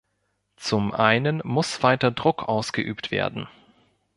Zum einen muss weiter Druck ausgeübt werden.